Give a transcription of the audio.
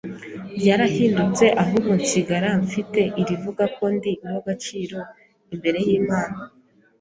ryarahindutse ahubwo nsigara mfite irivuga ko ndi uw’agaciro imbere y’Imana